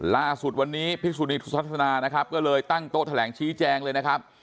ล่าสุดวันนี้พิสุนิทัศนานะครับก็เลยตั้งโต๊ะแถลงชี้แจงเลยนะครับ